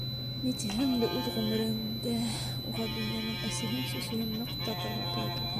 Ни тиһәң дә, үҙ ғүмерендә уға донъяның әсеһен-сөсөһөн ныҡ татырға тура килде.